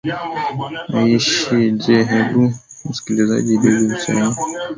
aishi je hebu msikilizaji ibebe picha hii